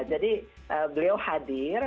jadi beliau hadir